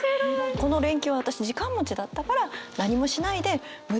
この連休私時間持ちだったから何もしないで無駄遣いをしていた。